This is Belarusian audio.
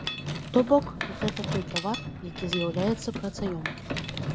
То бок, гэта той тавар, які з'яўляецца працаёмкім.